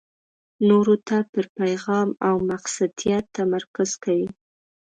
نورو ته پر پېغام او مقصدیت تمرکز کوي.